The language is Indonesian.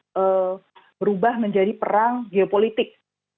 berubah menjadi perang geopolitik